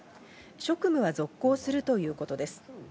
職務は続行するということです。